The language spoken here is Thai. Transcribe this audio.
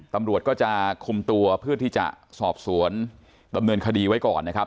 ตำรวจก็จะคุมตัวเพื่อที่จะสอบสวนดำเนินคดีไว้ก่อนนะครับ